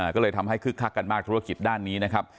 ก็เลยทำให้คึกคักกันมากธุรกิจด้านนี้นะครับ